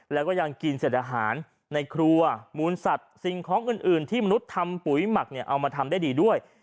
แล้วก็ยังกินเสร็จอาหารในครัวมูลสัตว์สิ่งของอื่นที่มนุษย์ทำปุ๋ยหมักเนี่ยเอามาทำได้ดีด้วย